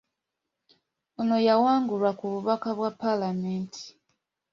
Ono yawangulwa ku bubaka bwa Paalamenti.